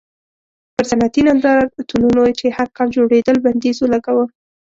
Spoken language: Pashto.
پر صنعتي نندارتونونو چې هر کال جوړېدل بندیز ولګاوه.